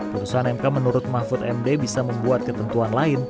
putusan mk menurut mahfud md bisa membuat ketentuan lain